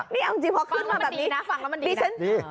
นี่เอาจริงพอขึ้นมาแบบนี้นะฟังแล้วมันดีฉัน